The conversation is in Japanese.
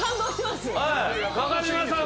中島さん